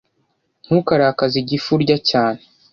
Ntukarakaze igifu urya cyane.